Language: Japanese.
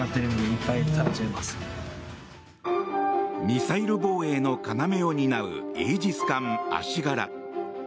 ミサイル防衛の要を担うイージス艦「あしがら」。